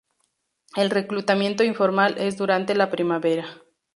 El reclutamiento informal es durante la primavera.